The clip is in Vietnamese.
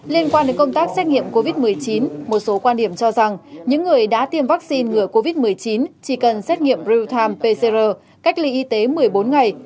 liên quan đến công tác xét nghiệm covid một mươi chín một số quan điểm cho rằng những người đã tiêm vaccine ngừa covid một mươi chín chỉ cần xét nghiệm real time pcr cách ly y tế một mươi bốn ngày